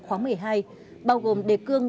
khóa một mươi hai bao gồm đề cương